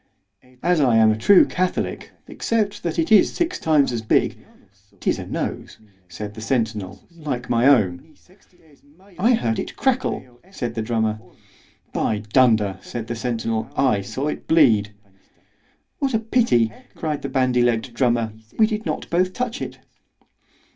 As I am a true catholic—except that it is six times as big—'tis a nose, said the centinel, like my own. —I heard it crackle, said the drummer. By dunder, said the centinel, I saw it bleed. What a pity, cried the bandy legg'd drummer, we did not both touch it!